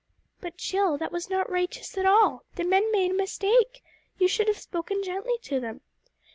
"But Jill, that was not 'righteous' at all. The men made a mistake. You should have spoken gently to them."